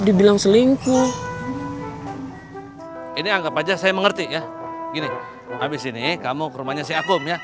dibilang selingkuh ini anggap aja saya mengerti ya gini habis ini kamu ke rumahnya si akum ya